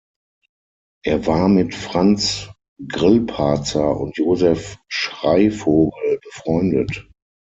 Er war mit Franz Grillparzer und Joseph Schreyvogel befreundet.